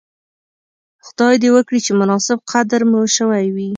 خدای دې وکړي چې مناسب قدر مو شوی وی.